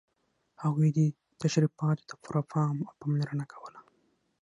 هغوی دې تشریفاتو ته پوره پام او پاملرنه کوله.